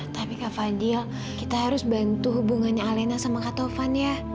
tapi kak fadil kita harus bantu hubungannya alena sama kak tovan ya